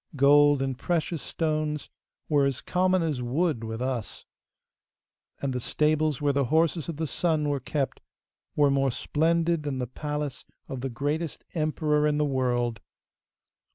Gold and precious stones were as common as wood with us, and the stables where the horses of the sun were kept were more splendid than the palace of the greatest emperor in the world.